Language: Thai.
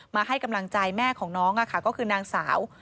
มาให้กำลังใจแม่ของน้องก็คือนางสาว